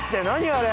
あれ。